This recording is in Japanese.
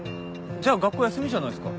じゃあ学校休みじゃないすか。